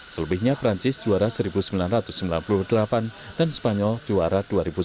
selebihnya perancis juara seribu sembilan ratus sembilan puluh delapan dan spanyol juara dua ribu sembilan belas